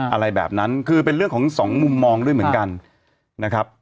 อะไรแบบนั้นคือเป็นเรื่องของสองมุมมองด้วยเหมือนกันนะครับ